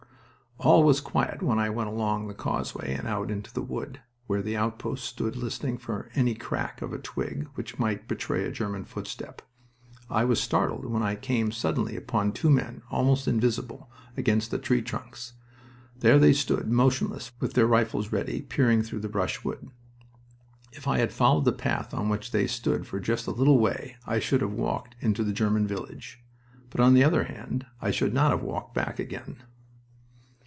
All was quiet when I went along the causeway and out into the wood, where the outposts stood listening for any crack of a twig which might betray a German footstep. I was startled when I came suddenly upon two men, almost invisible, against the tree trunks. There they stood, motionless, with their rifles ready, peering through the brushwood. If I had followed the path on which they stood for just a little way I should have walked into the German village. But, on the other hand, I should not have walked back again....